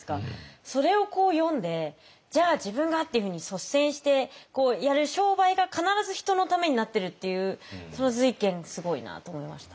それを読んで「じゃあ自分が！」っていうふうに率先してやる商売が必ず人のためになってるっていうその瑞賢すごいなと思いました。